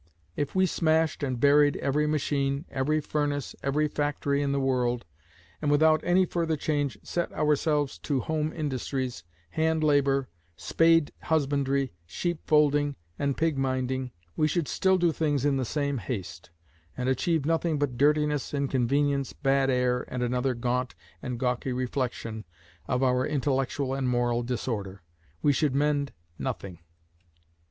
If we smashed and buried every machine, every furnace, every factory in the world, and without any further change set ourselves to home industries, hand labour, spade husbandry, sheep folding and pig minding, we should still do things in the same haste, and achieve nothing but dirtiness, inconvenience, bad air, and another gaunt and gawky reflection of our intellectual and moral disorder. We should mend nothing.